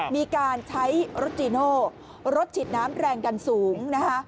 มีการใช้รถจีโน่รถฉีดน้ำแรงดันสูงนะคะ